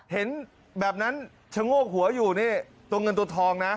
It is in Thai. เห็นแบบนั้นชะโงกหัวอยู่นี่ตัวเงินตัวทองนะ